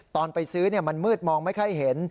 ตอนไปซื้อมันมืดมองไม่ค่อยเห็น